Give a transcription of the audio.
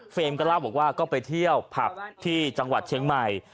ก็เล่าบอกว่าก็ไปเที่ยวผับที่จังหวัดเชียงใหม่